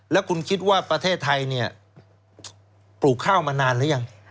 แล้วคุณคิดว่าประเทศไทยเนี่ยปลูกข้าวมานานหรือยัง